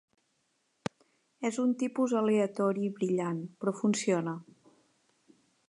És un tipus aleatori brillant, però funciona.